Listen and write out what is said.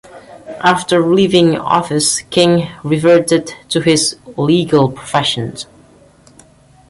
After leaving office, King reverted to his legal profession.